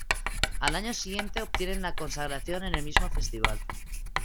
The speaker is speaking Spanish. Al año siguiente obtienen la Consagración en el mismo festival.